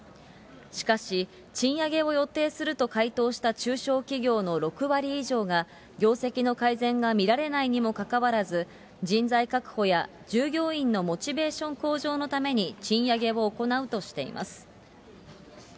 しかし、賃上げを予定すると回答した中小企業の６割以上が、業績の改善が見られないにもかかわらず、人材確保や従業員のモチベーション向上のために賃上げを行うとしています。